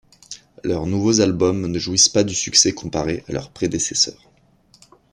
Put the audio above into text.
Leurs nouveaux albums ne jouissent pas du succès comparés à leurs prédécesseurs.